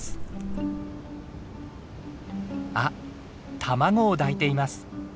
あっ卵を抱いています。